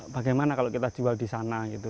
bagaimana kalau kita jual di sana gitu